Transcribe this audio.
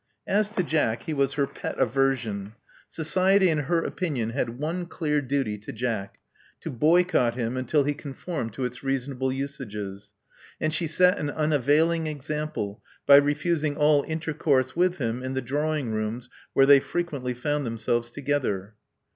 As to Jack, he was her pet aversion. Society, in her opinion, had one clear duty to Jack — to boycott him until he conformed to its reasonable usages. And she set an unavailing example, by refusing all intercourse with him in the drawing rooms where they frequently found themselves together.